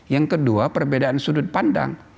yang kedua perbedaan sudut pandang